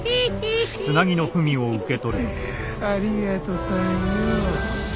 ありがとさんよ。